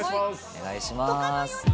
お願いします。